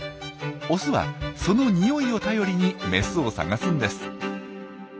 オスはそのにおいを頼りにメスを探すんです。